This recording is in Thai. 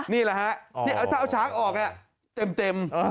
นี่เหรอฮะถ้าเอาฉากออกนี้เต็ม